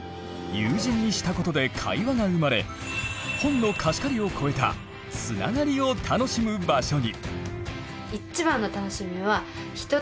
有人にしたことで会話が生まれ本の貸し借りをこえたつながりを楽しむ場所に！